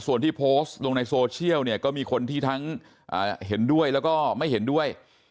ส่วนที่โพสต์ลงในโซเชียลเนี่ยก็มีคนที่ทั้งเห็นด้วยแล้วก็ไม่เห็นด้วย